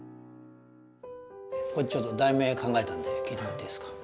これちょっと題名考えたんで聞いてもらっていいですか？